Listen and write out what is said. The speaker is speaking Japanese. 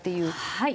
はい。